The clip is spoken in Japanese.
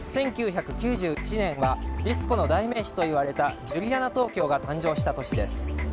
１９９１年はディスコの代名詞といわれたジュリアナ東京が誕生した年です。